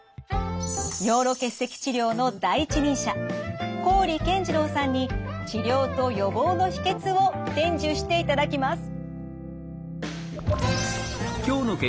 尿路結石治療の第一人者郡健二郎さんに治療と予防の秘訣を伝授していただきます。